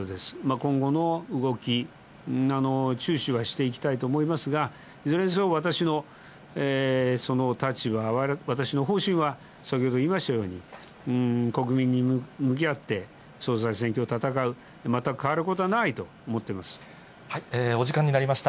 今後の動き、注視はしていきたいと思いますが、いずれにせよ、私の立場、私の方針は先ほど言いましたように、国民に向き合って総裁選挙を戦う、全く変わることはないと思っておお時間になりました。